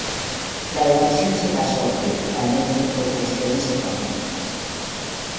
La decisión se basó, principalmente por cuestiones económicas.